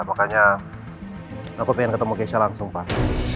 makanya aku pengen ketemu geisha langsung pak